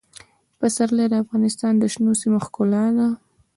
پسرلی د افغانستان د شنو سیمو ښکلا ده.